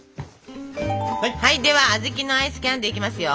ではあずきのアイスキャンデーいきますよ！